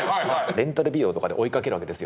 レンタルビデオとかで追いかけるわけですよ。